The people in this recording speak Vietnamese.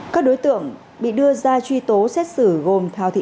các đối tượng bị đưa ra truy tố xét xử gồm thao thịnh